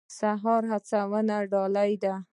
سهار د هڅونې ډالۍ ده.